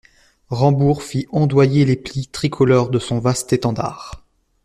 Rambourg fit ondoyer les plis tricolores de son vaste étendard.